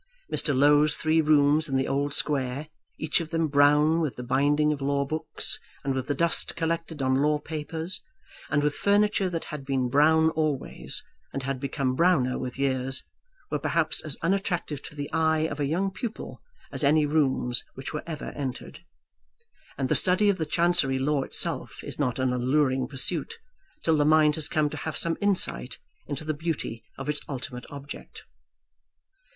Mr. Low's three rooms in the Old Square, each of them brown with the binding of law books and with the dust collected on law papers, and with furniture that had been brown always, and had become browner with years, were perhaps as unattractive to the eye of a young pupil as any rooms which were ever entered. And the study of the Chancery law itself is not an alluring pursuit till the mind has come to have some insight into the beauty of its ultimate object.